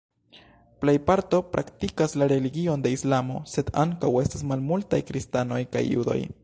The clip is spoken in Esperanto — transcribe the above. Plej parto praktikas la religion de Islamo, sed ankaŭ estas malmultaj kristanoj kaj judoj.